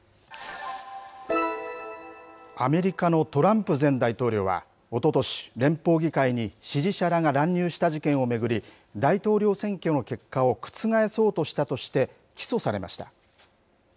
アメリカのトランプ前大統領は、おととし、連邦議会に支持者らが乱入した事件を巡り、大統領選挙の結果を覆そうとしたとして起訴されました。